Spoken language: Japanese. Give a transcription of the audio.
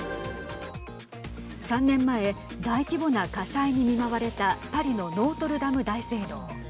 ３年前、大規模な火災に見舞われたパリのノートルダム大聖堂。